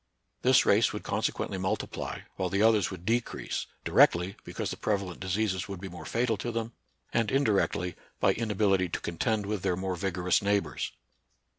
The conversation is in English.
This race would consequently multiply, while the others would decrease, directly, because the prevalent diseases would be more fatal to them, and indirectly, by inability to contend with their more vigorous neighbors.